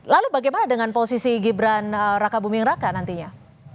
lalu bagaimana dengan posisi gibran raka buming raka nantinya